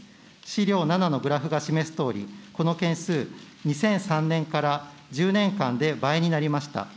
資料７のグラフが示すとおり、この件数、２００３年から１０年間で倍になりました。